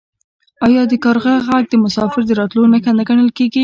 آیا د کارغه غږ د مسافر د راتلو نښه نه ګڼل کیږي؟